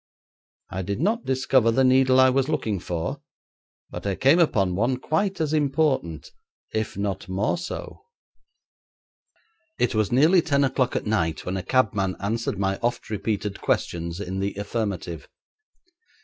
I did not discover the needle I was looking for, but I came upon one quite as important, if not more so. It was nearly ten o'clock at night when a cabman answered my oft repeated questions in the affirmative.